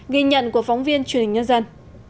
ghi nhận của phóng viên truyền hình nhân dân